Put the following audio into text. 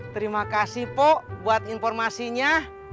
terima kasih po buat informasinya